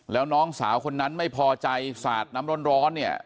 แล้วน้องสาวคนนั้นไม่พอใจสาดน้ำร้อนเนี่ย